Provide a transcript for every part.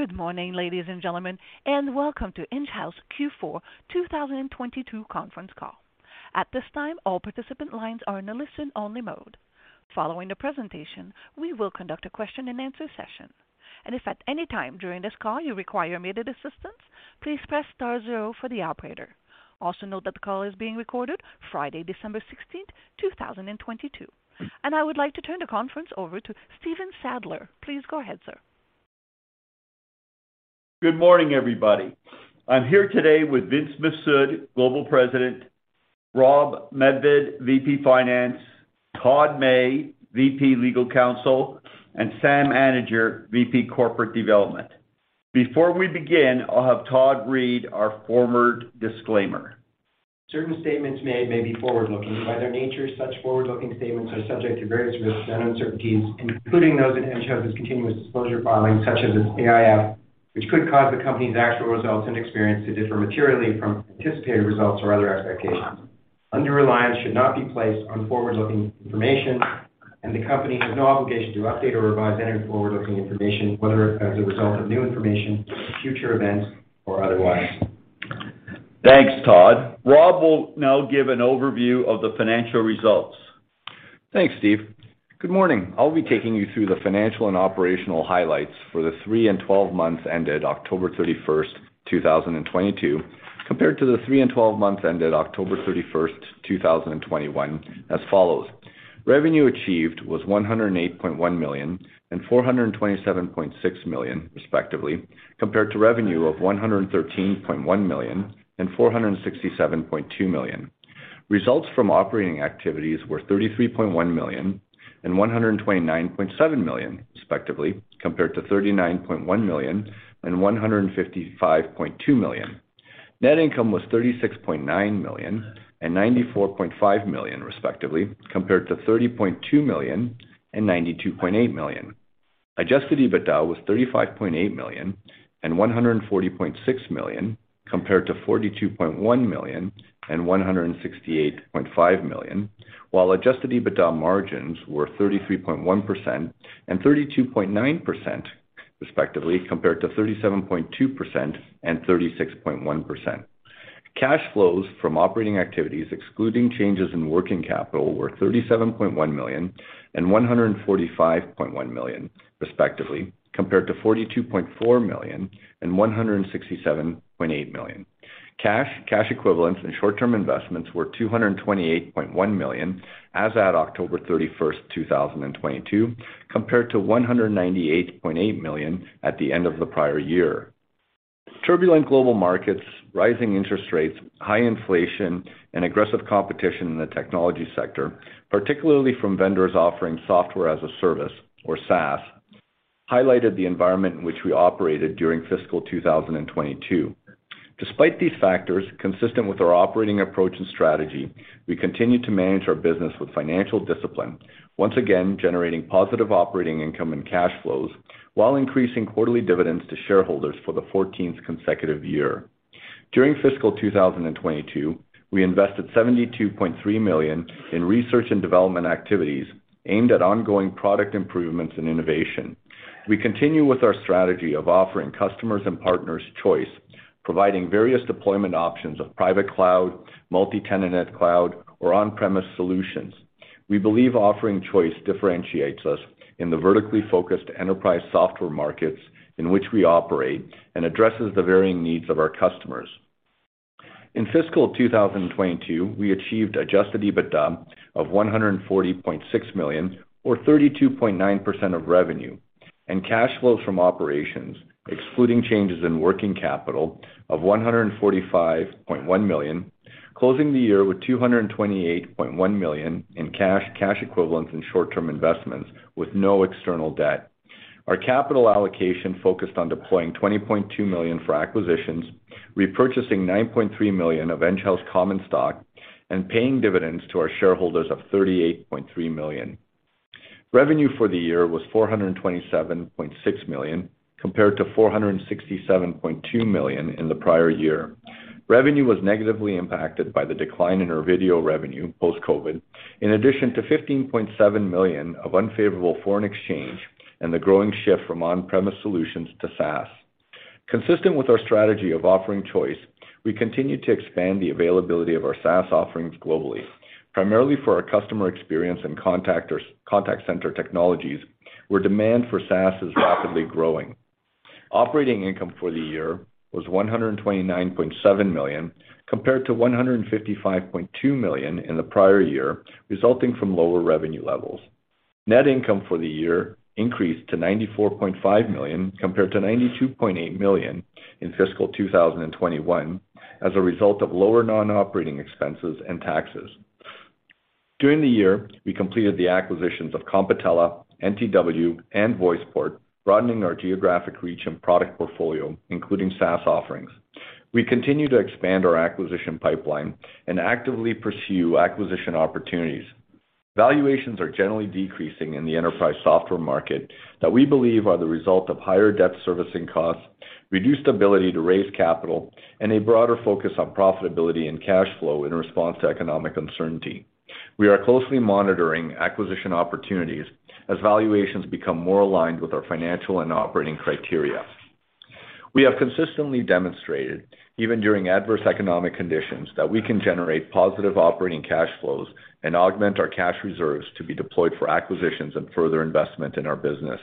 Good morning, ladies and gentlemen, and welcome to Enghouse Q4 2022 conference call. At this time, all participant lines are in a listen-only mode. Following the presentation, we will conduct a question-and-answer session. If at any time during this call you require immediate assistance, please press star zero for the operator. Also note that the call is being recorded Friday, December 16, 2022. I would like to turn the conference over to Stephen Sadler. Please go ahead, sir. Good morning, everybody. I'm here today with Vince Mifsud, Global President, Rob Medved, VP Finance, Todd May, VP Legal Counsel, and Sam Anidjar, VP Corporate Development. Before we begin, I'll have Todd read our forward disclaimer. Certain statements made may be forward-looking. By their nature, such forward-looking statements are subject to various risks and uncertainties, including those in Enghouse's continuous disclosure filings, such as its AIF, which could cause the Company's actual results and experience to differ materially from anticipated results or other expectations. Under reliance should not be placed on forward-looking information. The Company has no obligation to update or revise any forward-looking information, whether as a result of new information, future events, or otherwise. Thanks, Todd. Rob will now give an overview of the financial results. Thanks, Steve. Good morning. I'll be taking you through the financial and operational highlights for the 3 and 12 months ended October 31st, 2022, compared to the 3 and 12 months ended October 31st, 2021 as follows. Revenue achieved was $108.1 million and $427.6 million, respectively, compared to revenue of $113.1 million and $467.2 million. Results from operating activities were $33.1 million and $129.7 million, respectively, compared to $39.1 million and $155.2 million. Net income was $36.9 million and $94.5 million, respectively, compared to $30.2 million and $92.8 million. Adjusted EBITDA was 35.8 million and 140.6 million compared to 42.1 million and 168.5 million, while adjusted EBITDA margins were 33.1% and 32.9% respectively compared to 37.2% and 36.1%. Cash flows from operating activities excluding changes in working capital were 37.1 million and 145.1 million, respectively, compared to 42.4 million and 167.8 million. Cash, cash equivalents, and short-term investments were 228.1 million as at October 31, 2022, compared to 198.8 million at the end of the prior year. Turbulent global markets, rising interest rates, high inflation, and aggressive competition in the technology sector, particularly from vendors offering software-as-a-service, or SaaS, highlighted the environment in which we operated during fiscal 2022. Despite these factors, consistent with our operating approach and strategy, we continued to manage our business with financial discipline, once again generating positive operating income and cash flows while increasing quarterly dividends to shareholders for the 14th consecutive year. During fiscal 2022, we invested 72.3 million in research and development activities aimed at ongoing product improvements and innovation. We continue with our strategy of offering customers and partners choice, providing various deployment options of private cloud, multi-tenant cloud, or on-premise solutions. We believe offering choice differentiates us in the vertically focused enterprise software markets in which we operate and addresses the varying needs of our customers. In fiscal 2022, we achieved adjusted EBITDA of 140.6 million or 32.9% of revenue and cash flows from operations, excluding changes in working capital of 145.1 million, closing the year with 228.1 million in cash equivalents, and short-term investments with no external debt. Our capital allocation focused on deploying 20.2 million for acquisitions, repurchasing 9.3 million of Enghouse common stock, and paying dividends to our shareholders of 38.3 million. Revenue for the year was 427.6 million, compared to 467.2 million in the prior year. Revenue was negatively impacted by the decline in our video revenue post-COVID, in addition to 15.7 million of unfavorable foreign exchange and the growing shift from on-premise solutions to SaaS. Consistent with our strategy of offering choice, we continued to expand the availability of our SaaS offerings globally, primarily for our customer experience and contact center technologies, where demand for SaaS is rapidly growing. Operating income for the year was 129.7 million, compared to 155.2 million in the prior year, resulting from lower revenue levels. Net income for the year increased to 94.5 million, compared to 92.8 million in fiscal 2021 as a result of lower non-operating expenses and taxes. During the year, we completed the acquisitions of Competella, NTW, and VoicePort, broadening our geographic reach and product portfolio, including SaaS offerings. We continue to expand our acquisition pipeline and actively pursue acquisition opportunities. Valuations are generally decreasing in the enterprise software market that we believe are the result of higher debt servicing costs, reduced ability to raise capital, and a broader focus on profitability and cash flow in response to economic uncertainty. We are closely monitoring acquisition opportunities as valuations become more aligned with our financial and operating criteria. We have consistently demonstrated, even during adverse economic conditions, that we can generate positive operating cash flows and augment our cash reserves to be deployed for acquisitions and further investment in our business.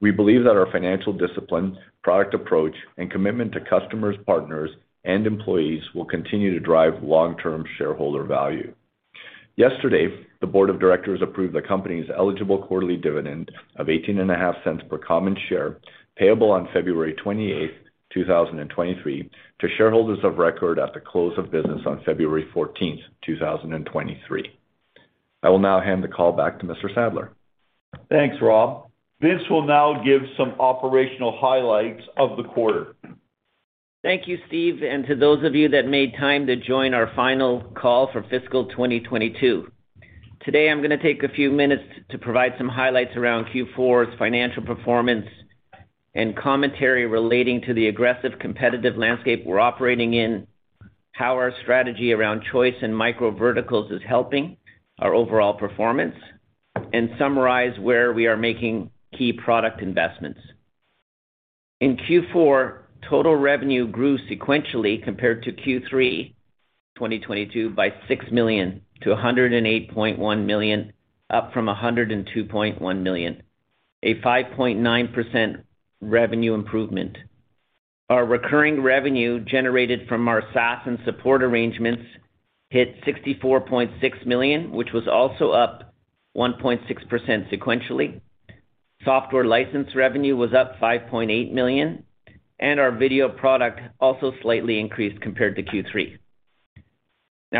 We believe that our financial discipline, product approach, and commitment to customers, partners, and employees will continue to drive long-term shareholder value. Yesterday, the board of directors approved the company's eligible quarterly dividend of eighteen and a half cents per common share, payable on February twenty-eighth, two thousand and twenty-three, to shareholders of record at the close of business on February fourteenth, two thousand and twenty-three. I will now hand the call back to Mr. Sadler. Thanks, Rob. Vince will now give some operational highlights of the quarter. Thank you, Steve, and to those of you that made time to join our final call for fiscal 2022. Today, I'm gonna take a few minutes to provide some highlights around Q4's financial performance and commentary relating to the aggressive competitive landscape we're operating in, how our strategy around choice and micro verticals is helping our overall performance, and summarize where we are making key product investments. In Q4, total revenue grew sequentially compared to Q3 2022 by 6 million to 108.1 million, up from 102.1 million, a 5.9% revenue improvement. Our recurring revenue generated from our SaaS and support arrangements hit 64.6 million, which was also up 1.6% sequentially. Software license revenue was up 5.8 million, and our video product also slightly increased compared to Q3.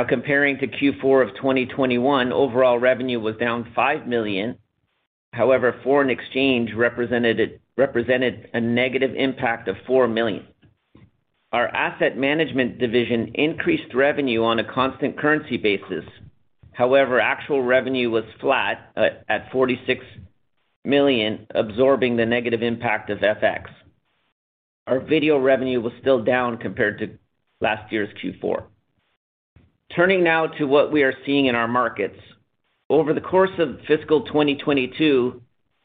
Comparing to Q4 of 2021, overall revenue was down 5 million. Foreign exchange represented a negative impact of $4 million. Our Asset Management division increased revenue on a constant currency basis. Actual revenue was flat at 46 million, absorbing the negative impact of FX. Our video revenue was still down compared to last year's Q4. Turning now to what we are seeing in our markets. Over the course of fiscal 2022,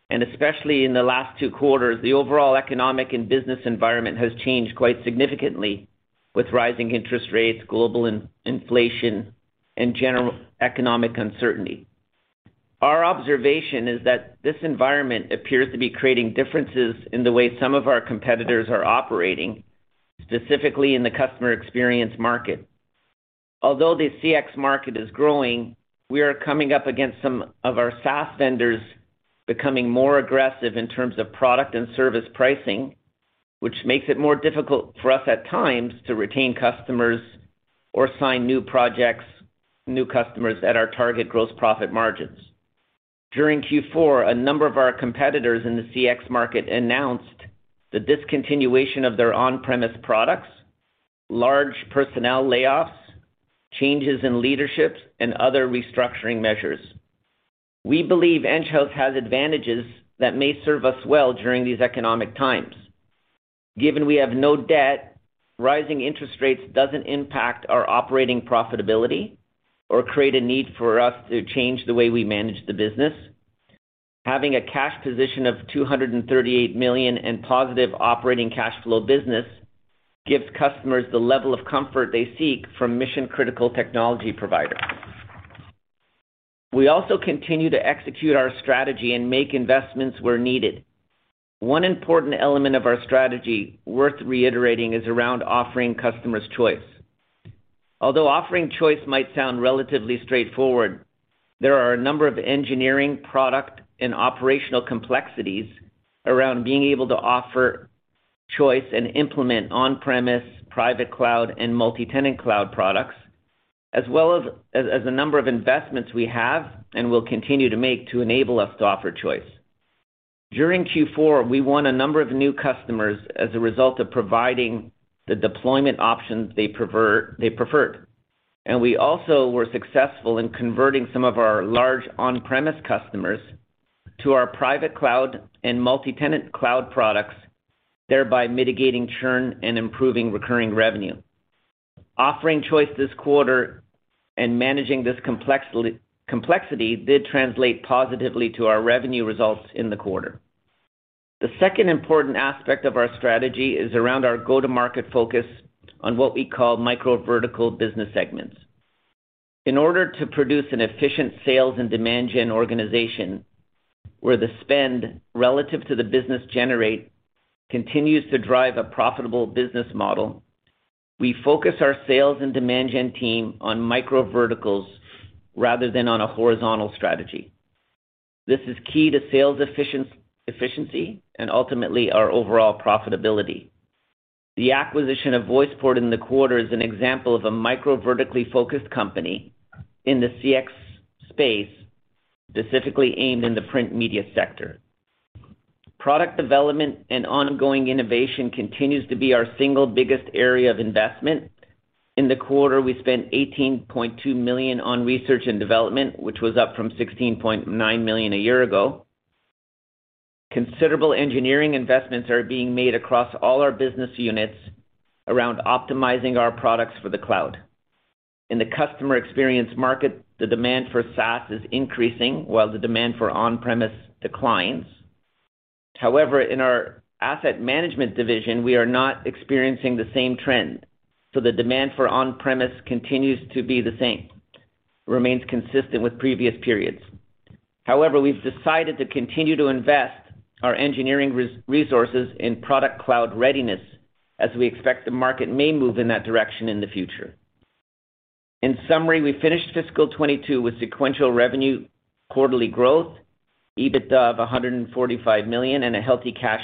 and especially in the last two quarters, the overall economic and business environment has changed quite significantly with rising interest rates, global inflation, and general economic uncertainty. Our observation is that this environment appears to be creating differences in the way some of our competitors are operating, specifically in the customer experience market. Although the CX market is growing, we are coming up against some of our SaaS vendors becoming more aggressive in terms of product and service pricing, which makes it more difficult for us at times to retain customers or sign new projects, new customers at our target gross profit margins. During Q4, a number of our competitors in the CX market announced the discontinuation of their on-premise products, large personnel layoffs, changes in leadership, and other restructuring measures. We believe Enghouse has advantages that may serve us well during these economic times. Given we have no debt, rising interest rates doesn't impact our operating profitability or create a need for us to change the way we manage the business. Having a cash position of 238 million and positive operating cash flow business gives customers the level of comfort they seek from mission-critical technology providers. We also continue to execute our strategy and make investments where needed. One important element of our strategy worth reiterating is around offering customers choice. Although offering choice might sound relatively straightforward, there are a number of engineering, product, and operational complexities around being able to offer choice and implement on-premise, private cloud, and multi-tenant cloud products, as well as a number of investments we have and will continue to make to enable us to offer choice. During Q4, we won a number of new customers as a result of providing the deployment options they preferred. We also were successful in converting some of our large on-premise customers to our private cloud and multi-tenant cloud products, thereby mitigating churn and improving recurring revenue. Offering choice this quarter and managing this complexity did translate positively to our revenue results in the quarter. The second important aspect of our strategy is around our go-to-market focus on what we call micro vertical business segments. In order to produce an efficient sales and demand gen organization, where the spend relative to the business generate continues to drive a profitable business model, we focus our sales and demand gen team on micro verticals rather than on a horizontal strategy. This is key to sales efficiency and ultimately our overall profitability. The acquisition of VoicePort in the quarter is an example of a micro vertically focused company in the CX space, specifically aimed in the print media sector. Product development and ongoing innovation continues to be our single biggest area of investment. In the quarter, we spent 18.2 million on research and development, which was up from 16.9 million a year ago. Considerable engineering investments are being made across all our business units around optimizing our products for the cloud. In the customer experience market, the demand for SaaS is increasing, while the demand for on-premise declines. In our Asset Management division, we are not experiencing the same trend. The demand for on-premise continues to be the same. Remains consistent with previous periods. We've decided to continue to invest our engineering resources in product cloud readiness as we expect the market may move in that direction in the future. In summary, we finished fiscal 2022 with sequential revenue quarterly growth, EBITDA of 145 million, and a healthy cash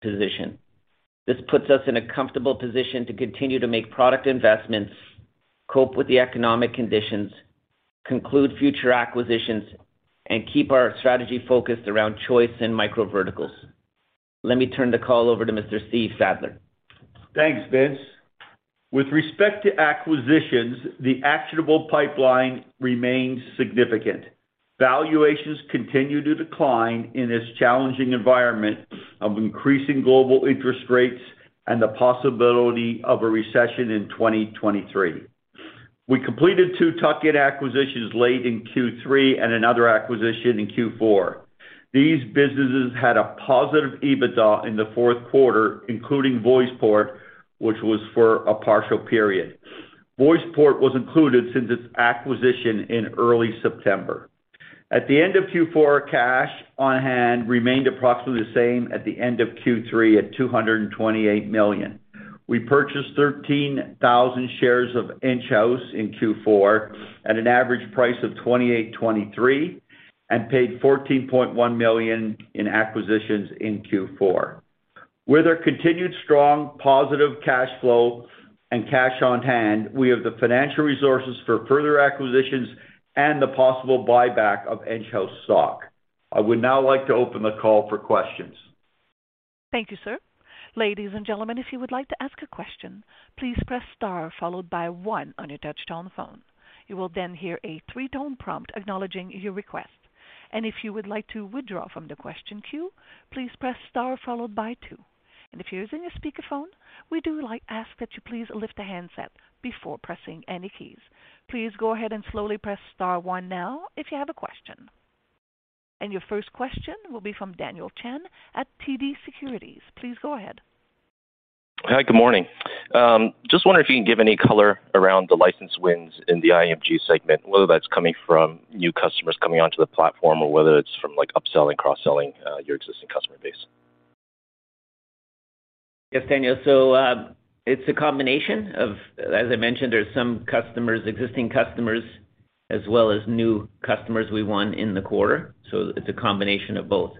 position. This puts us in a comfortable position to continue to make product investments, cope with the economic conditions, conclude future acquisitions, and keep our strategy focused around choice and micro verticals. Let me turn the call over to Mr. Steve Sadler. Thanks, Vince. With respect to acquisitions, the actionable pipeline remains significant. Valuations continue to decline in this challenging environment of increasing global interest rates and the possibility of a recession in 2023. We completed two tuck-in acquisitions late in Q3 and another acquisition in Q4. These businesses had a positive EBITDA in the fourth quarter, including VoicePort, which was for a partial period. VoicePort was included since its acquisition in early September. At the end of Q4, cash on hand remained approximately the same at the end of Q3 at $228 million. We purchased 13,000 shares of Enghouse in Q4 at an average price of $28.23 and paid $14.1 million in acquisitions in Q4. With our continued strong positive cash flow and cash on hand, we have the financial resources for further acquisitions and the possible buyback of Enghouse stock. I would now like to open the call for questions. Thank you, sir. Ladies and gentlemen, if you would like to ask a question, please press star followed by 1 on your touchtone phone. You will then hear a 3-tone prompt acknowledging your request. If you would like to withdraw from the question queue, please press star followed by 2. If you're using a speakerphone, we do, like, ask that you please lift the handset before pressing any keys. Please go ahead and slowly press star 1 now if you have a question. Your first question will be from Daniel Chan at TD Securities. Please go ahead. Hi. Good morning. Just wondering if you can give any color around the license wins in the IMG segment, whether that's coming from new customers coming onto the platform or whether it's from, like, upselling, cross-selling, your existing customer base? Yes, Daniel. It's a combination of... as I mentioned, there's some customers, existing customers, as well as new customers we won in the quarter. It's a combination of both.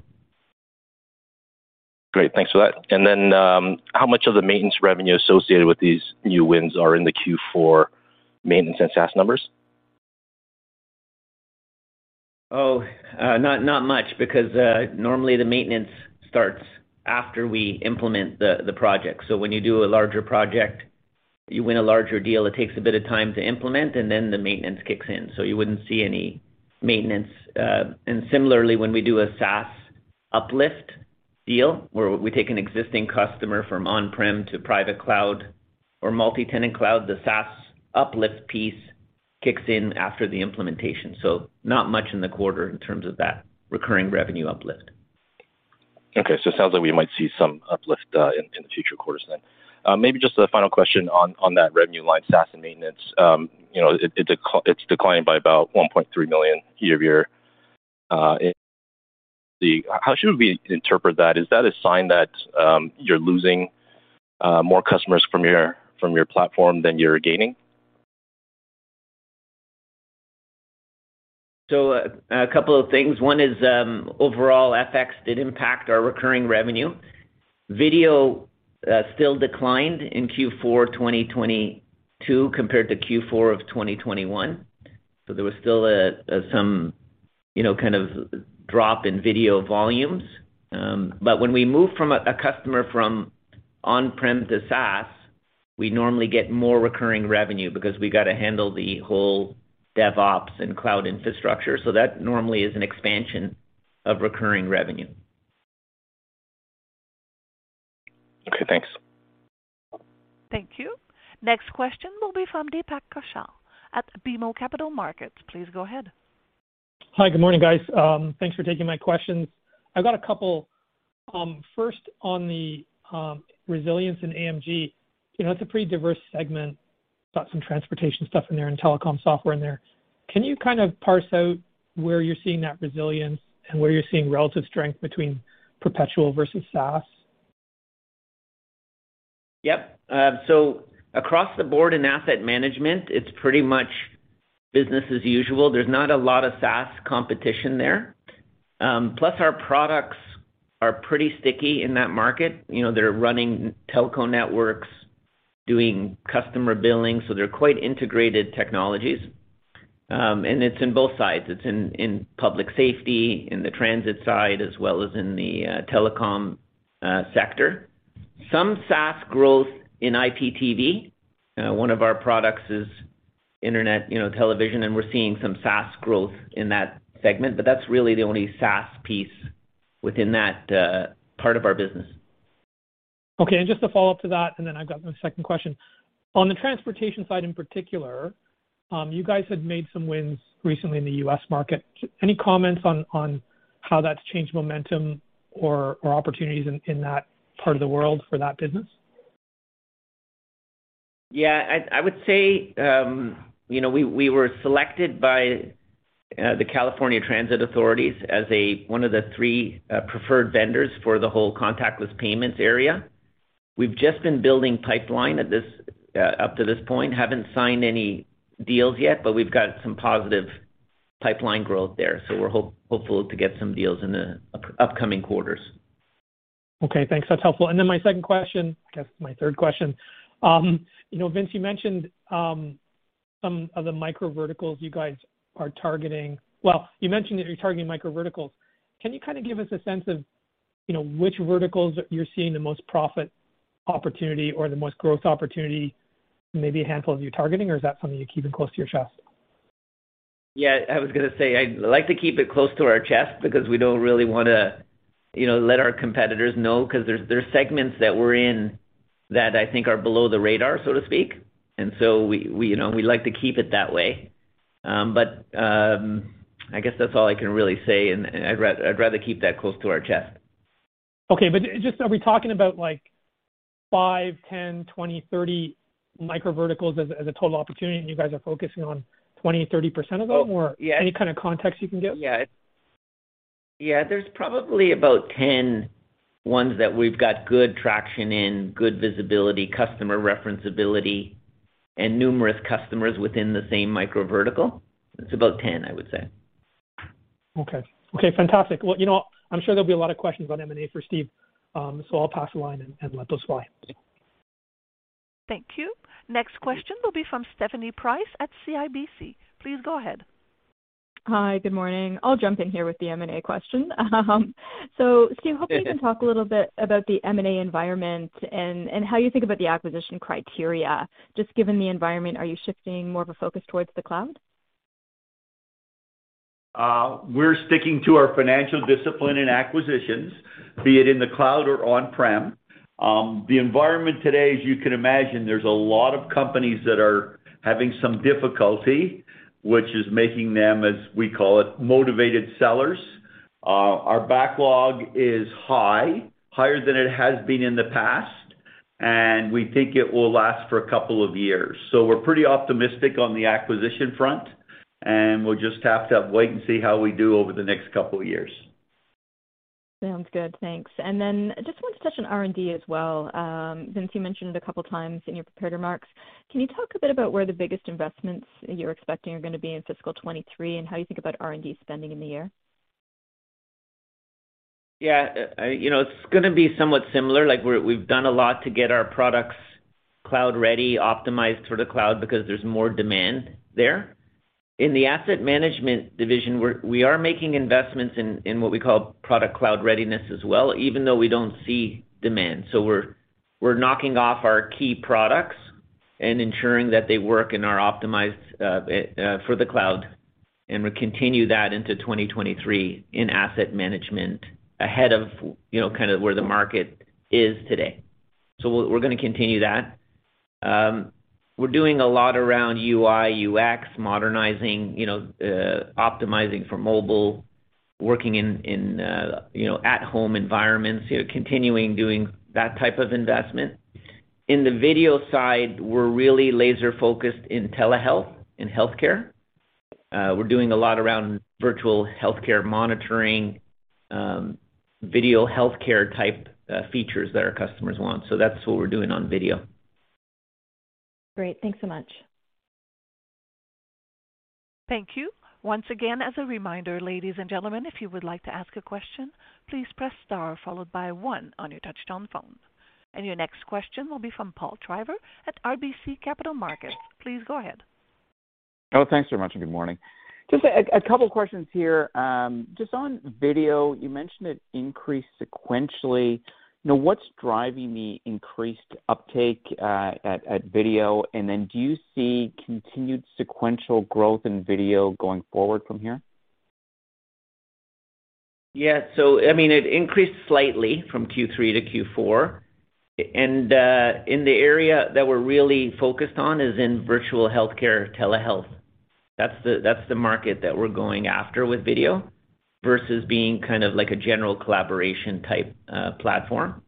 Great. Thanks for that. How much of the maintenance revenue associated with these new wins are in the Q4 maintenance and SaaS numbers? Not much because normally the maintenance starts after we implement the project. When you do a larger project, you win a larger deal, it takes a bit of time to implement, and then the maintenance kicks in. You wouldn't see any maintenance. Similarly, when we do a SaaS uplift deal, where we take an existing customer from on-prem to private cloud or multi-tenant cloud, the SaaS uplift piece kicks in after the implementation. Not much in the quarter in terms of that recurring revenue uplift. It sounds like we might see some uplift in the future quarters. Maybe just a final question on that revenue line, SaaS and maintenance. You know, it's declined by about 1.3 million year-over-year. How should we interpret that? Is that a sign that you're losing more customers from your platform than you're gaining? A couple of things. One is, overall FX did impact our recurring revenue. Video still declined in Q4 2022 compared to Q4 of 2021. There was still some, you know, kind of drop in video volumes. But when we move from a customer from on-prem to SaaS, we normally get more recurring revenue because we gotta handle the whole DevOps and cloud infrastructure. That normally is an expansion of recurring revenue. Okay, thanks. Thank you. Next question will be from Deepak Kaushal at BMO Capital Markets. Please go ahead. Hi. Good morning, guys. Thanks for taking my questions. I've got a couple. First on the resilience in AMG. You know, it's a pretty diverse segment. It's got some transportation stuff in there and telecom software in there. Can you kind of parse out where you're seeing that resilience and where you're seeing relative strength between perpetual versus SaaS? Yep. Across the board in asset management, it's pretty much business as usual. There's not a lot of SaaS competition there. Our products are pretty sticky in that market. You know, they're running telco networks, doing customer billing, so they're quite integrated technologies. It's in both sides. It's in public safety, in the transit side, as well as in the telecom sector. Some SaaS growth in IPTV. One of our products is Internet, you know, television, and we're seeing some SaaS growth in that segment, but that's really the only SaaS piece within that part of our business. Okay. Just a follow-up to that, and then I've got a second question. On the transportation side in particular, you guys had made some wins recently in the U.S. market. Any comments on how that's changed momentum or opportunities in that part of the world for that business? Yeah. I would say, you know, we were selected by the California Transit Authorities as one of the three preferred vendors for the whole contactless payments area. We've just been building pipeline up to this point. Haven't signed any deals yet, but we've got some positive pipeline growth there. We're hopeful to get some deals in the upcoming quarters. Okay, thanks. That's helpful. My second question. I guess my third question. you know, Vince, you mentioned some of the micro verticals you guys are targeting. Well, you mentioned that you're targeting micro verticals. Can you kind of give us a sense of, you know, which verticals you're seeing the most profit opportunity or the most growth opportunity, maybe a handful of you're targeting or is that something you're keeping close to your chest? Yeah. I was gonna say, I'd like to keep it close to our chest because we don't really wanna, you know, let our competitors know, 'cause there's segments that we're in that I think are below the radar, so to speak. We, you know, we like to keep it that way. I guess that's all I can really say, and I'd rather keep that close to our chest. Okay. just are we talking about, like, five, 10, 20, 30 micro verticals as a total opportunity and you guys are focusing on 20%, 30% of them or- Yeah. Any kind of context you can give. Yeah. Yeah. There's probably about 10 ones that we've got good traction in, good visibility, customer reference ability, and numerous customers within the same micro vertical. It's about 10, I would say. Okay. Okay, fantastic. Well, you know what, I'm sure there'll be a lot of questions about M&A for Steve, so I'll pass the line and let those fly. Thank you. Next question will be from Stephanie Price at CIBC. Please go ahead. Hi. Good morning. I'll jump in here with the M&A question. Okay. Hopefully you can talk a little bit about the M&A environment and how you think about the acquisition criteria. Just given the environment, are you shifting more of a focus towards the cloud? We're sticking to our financial discipline in acquisitions, be it in the cloud or on-prem. The environment today, as you can imagine, there's a lot of companies that are having some difficulty, which is making them, as we call it, motivated sellers. Our backlog is high, higher than it has been in the past, and we think it will last for a couple of years. We're pretty optimistic on the acquisition front, and we'll just have to wait and see how we do over the next couple of years. Sounds good. Thanks. Just wanted to touch on R&D as well. Vince, you mentioned it a couple of times in your prepared remarks. Can you talk a bit about where the biggest investments you're expecting are gonna be in fiscal 2023 and how you think about R&D spending in the year? Yeah. You know, it's gonna be somewhat similar. Like, we've done a lot to get our products cloud-ready, optimized for the cloud because there's more demand there. In the Asset Management division, we are making investments in what we call product cloud readiness as well, even though we don't see demand. We're knocking off our key products and ensuring that they work and are optimized for the cloud, and we continue that into 2023 in Asset Management ahead of, you know, kind of where the market is today. We're gonna continue that. We're doing a lot around UI, UX, modernizing, you know, optimizing for mobile, working in, you know, at-home environments. You know, continuing doing that type of investment. In the video side, we're really laser-focused in telehealth, in healthcare. We're doing a lot around virtual healthcare monitoring, video healthcare-type, features that our customers want, so that's what we're doing on video. Great. Thanks so much. Thank you. Once again, as a reminder, ladies and gentlemen, if you would like to ask a question, please press star followed by one on your touchtone phone. Your next question will be from Paul Treiber at RBC Capital Markets. Please go ahead. Thanks so much, and good morning. Just a couple questions here. Just on video, you mentioned it increased sequentially. You know, what's driving the increased uptake at video? Do you see continued sequential growth in video going forward from here? Yeah. I mean, it increased slightly from Q3 to Q4. In the area that we're really focused on is in virtual healthcare, telehealth. That's the market that we're going after with video versus being kind of like a general collaboration type, platform.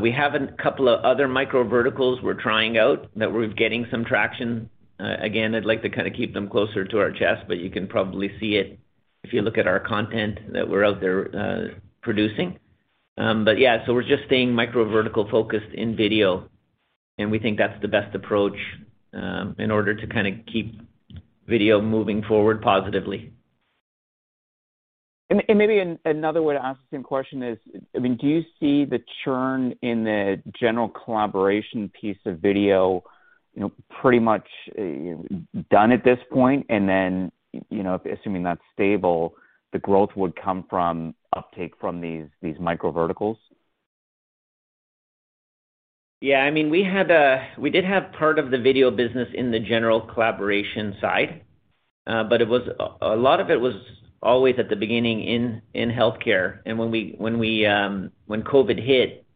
We have a couple of other micro verticals we're trying out that we're getting some traction. Again, I'd like to kinda keep them closer to our chest, but you can probably see it if you look at our content that we're out there, producing. Yeah. We're just staying micro vertical focused in video, and we think that's the best approach, in order to kinda keep video moving forward positively. Maybe another way to ask the same question is, I mean, do you see the churn in the general collaboration piece of video, you know, pretty much done at this point? You know, assuming that's stable, the growth would come from uptake from these micro verticals? Yeah, I mean, we did have part of the video business in the general collaboration side. It was. A lot of it was always at the beginning in healthcare. When we, when COVID hit,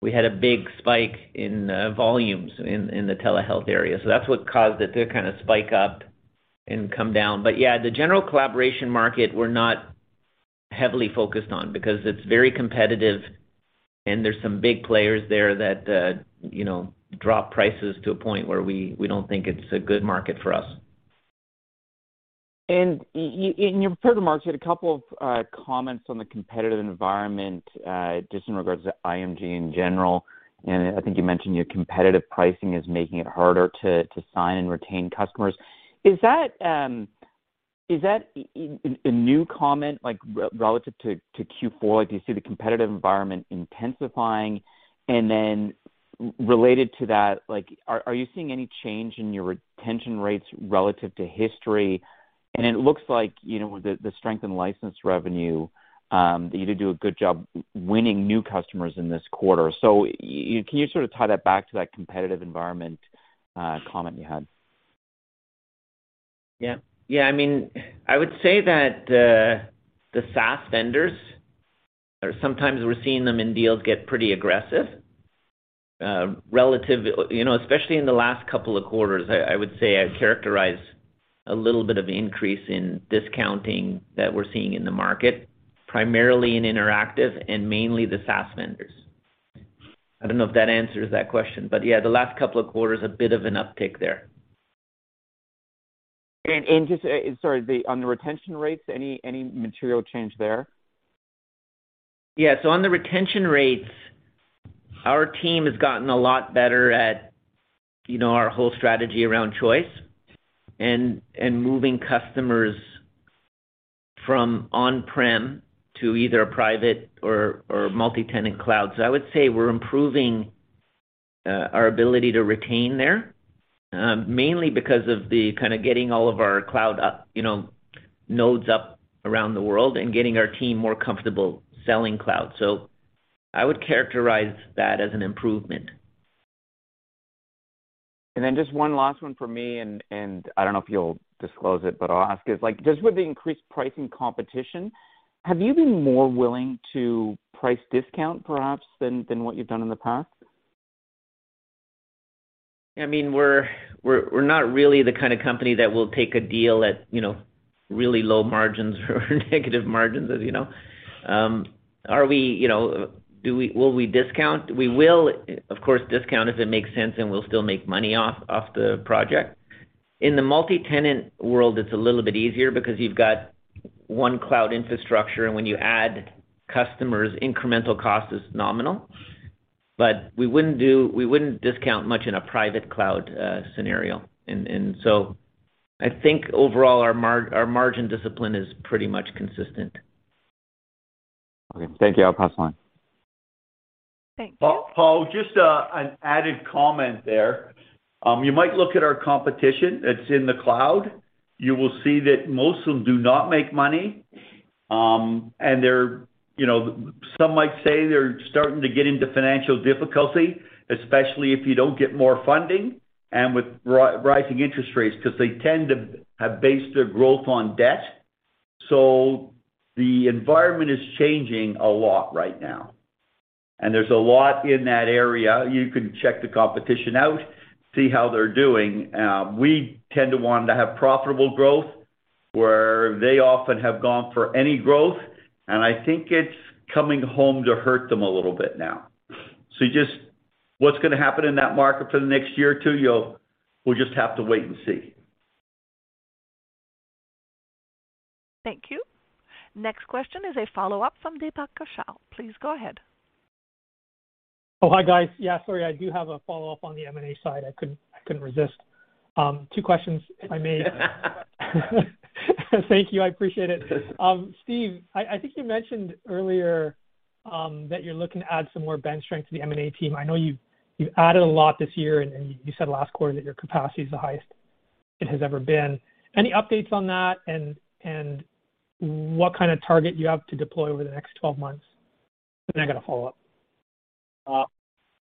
we had a big spike in volumes in the telehealth area. That's what caused it to kind of spike up and come down. Yeah, the general collaboration market we're not heavily focused on because it's very competitive and there's some big players there that, you know, drop prices to a point where we don't think it's a good market for us. In your prepared remarks, you had a couple of comments on the competitive environment, just in regards to IMG in general. I think you mentioned your competitive pricing is making it harder to sign and retain customers. Is that, is that a new comment, like relative to Q4? Do you see the competitive environment intensifying? Related to that, like, are you seeing any change in your retention rates relative to history? It looks like, you know, the strength in license revenue, that you did do a good job winning new customers in this quarter. Can you sort of tie that back to that competitive environment, comment you had? Yeah. Yeah. I mean, I would say that the SaaS vendors are sometimes we're seeing them in deals get pretty aggressive, relative... You know, especially in the last couple of quarters, I would say I characterize a little bit of increase in discounting that we're seeing in the market, primarily in interactive and mainly the SaaS vendors. I don't know if that answers that question. Yeah, the last couple of quarters, a bit of an uptick there. Just, sorry, on the retention rates, any material change there? Yeah. On the retention rates, our team has gotten a lot better at, you know, our whole strategy around choice and moving customers from on-prem to either a private or multi-tenant cloud. I would say we're improving our ability to retain there, mainly because of the kind of getting all of our cloud, you know, nodes up around the world and getting our team more comfortable selling cloud. I would characterize that as an improvement. Just one last one from me, and I don't know if you'll disclose it, but I'll ask it. Like, just with the increased pricing competition, have you been more willing to price discount perhaps than what you've done in the past? I mean, we're not really the kind of company that will take a deal at, you know, really low margins or negative margins, as you know. Are we, you know, will we discount? We will, of course, discount if it makes sense and we'll still make money off the project. In the multi-tenant world, it's a little bit easier because you've got one cloud infrastructure, and when you add customers, incremental cost is nominal. We wouldn't discount much in a private cloud scenario. I think overall our margin discipline is pretty much consistent. Okay. Thank you. I'll pass the line. Thank you. Paul, just an added comment there. You might look at our competition that's in the cloud. You will see that most of them do not make money. And they're, you know, some might say they're starting to get into financial difficulty, especially if you don't get more funding and with rising interest rates, 'cause they tend to have based their growth on debt. The environment is changing a lot right now, and there's a lot in that area. You can check the competition out, see how they're doing. We tend to want to have profitable growth, where they often have gone for any growth, and I think it's coming home to hurt them a little bit now. Just what's gonna happen in that market for the next year or two, we'll just have to wait and see. Thank you. Next question is a follow-up from Deepak Kaushal. Please go ahead. Oh, hi, guys. Yeah, sorry, I do have a follow-up on the M&A side. I couldn't resist. 2 questions if I may. Thank you. I appreciate it. Steve, I think you mentioned earlier that you're looking to add some more bench strength to the M&A team. I know you've added a lot this year, and you said last quarter that your capacity is the highest it has ever been. Any updates on that and what kind of target you have to deploy over the next 12 months? I got a follow-up.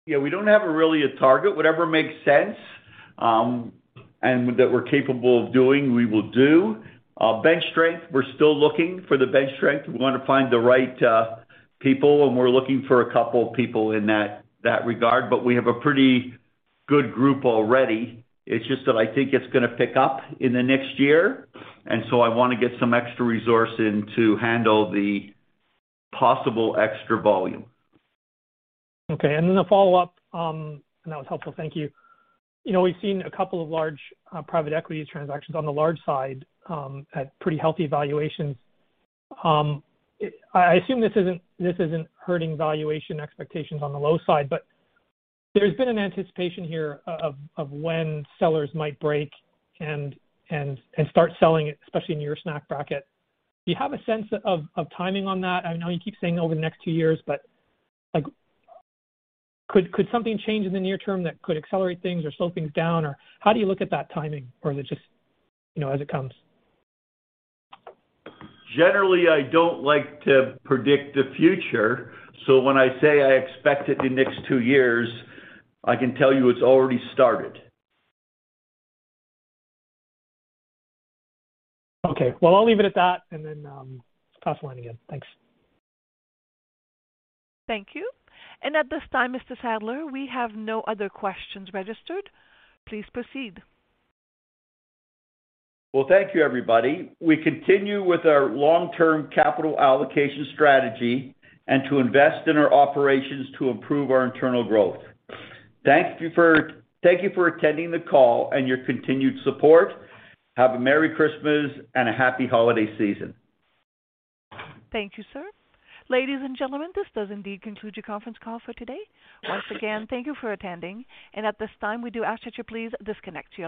Yeah, we don't have a really a target. Whatever makes sense, and that we're capable of doing, we will do. Bench strength, we're still looking for the bench strength. We wanna find the right people, and we're looking for 2 people in that regard. We have a pretty good group already. It's just that I think it's gonna pick up in the next year, I wanna get some extra resource in to handle the possible extra volume. Okay. Then the follow-up. No, it's helpful. Thank you. You know, we've seen a couple of large private equity transactions on the large side at pretty healthy valuations. I assume this isn't, this isn't hurting valuation expectations on the low side. There's been an anticipation here of when sellers might break and start selling, especially in your snack bracket. Do you have a sense of timing on that? I know you keep saying over the next 2 years, but, like, could something change in the near term that could accelerate things or slow things down? How do you look at that timing? Is it just, you know, as it comes? Generally, I don't like to predict the future, so when I say I expect it in the next two years, I can tell you it's already started. Okay. Well, I'll leave it at that and then, pass the line again. Thanks. Thank you. At this time, Mr. Sadler, we have no other questions registered. Please proceed. Well, thank you, everybody. We continue with our long-term capital allocation strategy and to invest in our operations to improve our internal growth. Thank you for attending the call and your continued support. Have a merry Christmas and a happy holiday season. Thank you, sir. Ladies and gentlemen, this does indeed conclude your conference call for today. Once again, thank you for attending. At this time, we do ask that you please disconnect your lines.